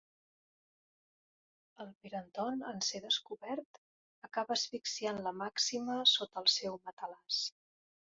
El Pere Anton, en ser descobert, acaba asfixiant la Màxima sota el seu matalàs.